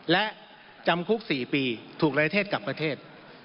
และจำคุก๔ปีถูกรายเทศกลับประเทศ